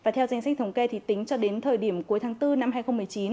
theo danh sách thống kê tính cho đến thời điểm cuối tháng bốn năm hai nghìn một mươi chín